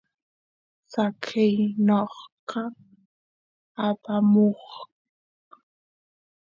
saqey noqa apamusaq